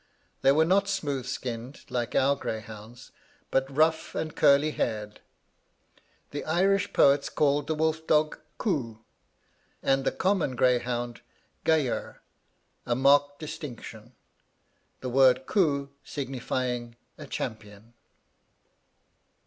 They were not smooth skinned, like our greyhounds, but rough and curly haired. The Irish poets call the wolf dog 'Cu,' and the common greyhound 'Gayer;' a marked distinction, the word 'Cu' signifying a champion.'